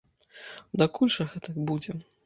Дакуль жа гэтак будзе?